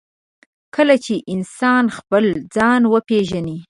کله چې انسان خپل ځان وپېژني.